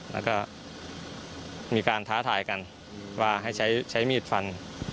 แล้วก็มีการท้าทายกันว่าให้ใช้มีดฟัน